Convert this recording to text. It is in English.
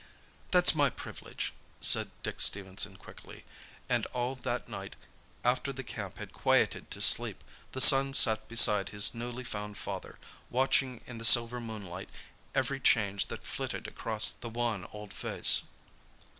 "That's my privilege," said Dick Stephenson quickly. And all that night, after the camp had quieted to sleep, the son sat beside his newly found father, watching in the silver moonlight every change that flitted across the wan old face.